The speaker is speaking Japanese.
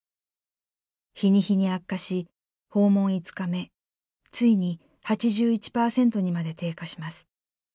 日に日に悪化し訪問５日目ついに８１％にまで低下します。